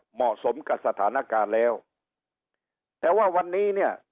เหมาะสมกับสถานการณ์แล้วแต่ว่าวันนี้เนี่ย